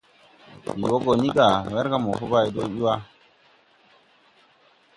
Ndi wɔ go ni ga, werga mo po bay do wa.